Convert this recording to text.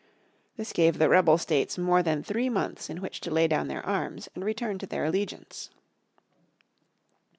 This gave the rebel states more than three months in which to lay down their arms and return to their allegiance.